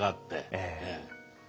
ええ。